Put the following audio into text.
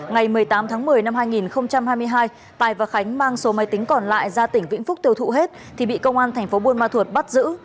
ngày một mươi tám tháng một mươi năm hai nghìn hai mươi hai tài và khánh mang số máy tính còn lại ra tỉnh vĩnh phúc tiêu thụ hết thì bị công an tp bunma thuộc bắt giữ